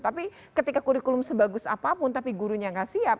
tapi ketika kurikulum sebagus apapun tapi gurunya nggak siap